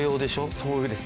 そうです。